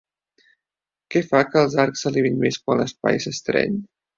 Què fa que els arcs s'elevin més quan l'espai s'estreny?